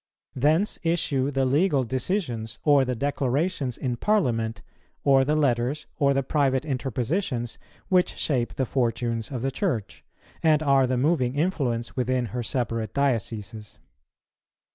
Thence issue the legal decisions, or the declarations in Parliament, or the letters, or the private interpositions, which shape the fortunes of the Church, and are the moving influence within her separate dioceses.